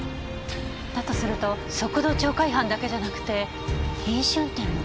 だとすると速度超過違反だけじゃなくて飲酒運転も。